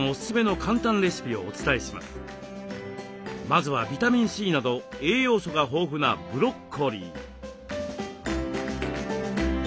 まずはビタミンＣなど栄養素が豊富なブロッコリー。